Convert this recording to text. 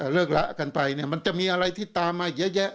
เลิกละกันไปมันจะมีอะไรที่ตามมาเยอะแยะ